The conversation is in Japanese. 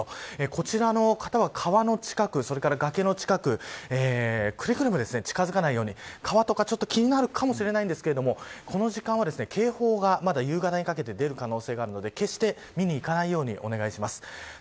こちらの方は川の近く、それから崖の近くくれぐれも、近づかないように川とかちょっと気になるかもしれませんがこの時間は警報がまだ夕方にかけて出る可能性があるので決して見に行かないようにお願いします。